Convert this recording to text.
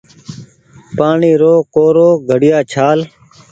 پآڻيٚ رو ڪورو گھڙيآ ڇآل